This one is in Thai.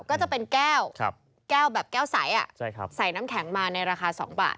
ก็จะเป็นแก้วแก้วแบบแก้วใสใส่น้ำแข็งมาในราคา๒บาท